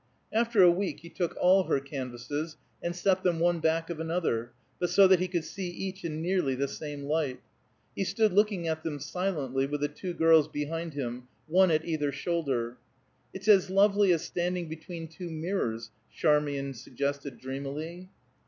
After a week he took all her canvases, and set them one back of another, but so that he could see each in nearly the same light. He stood looking at them silently, with the two girls behind him, one at either shoulder. "It's as lovely as standing between two mirrors," Charmian suggested dreamily.